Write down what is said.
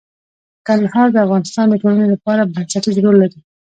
کندهار د افغانستان د ټولنې لپاره بنسټيز رول لري.